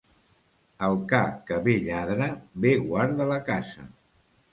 El ca que bé lladra, bé guarda la casa.